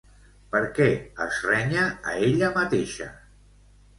Per què es renya a ella mateixa?